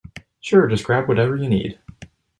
Sure, just grab whatever you need.